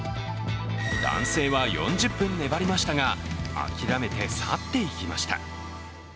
男性は４０分粘りましたが、諦めて去っていきました。